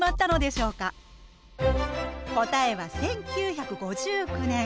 答えは１９５９年。